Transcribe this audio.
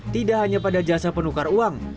tidak hanya pada jasa penukar uang